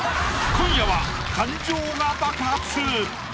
今夜は感情が爆発。